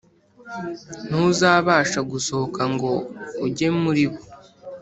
ntuzabasha gusohoka ngo ujye muri bo